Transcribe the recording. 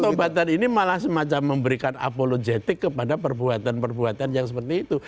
pengobatan ini malah semacam memberikan apolojetik kepada perbuatan perbuatan yang seperti itu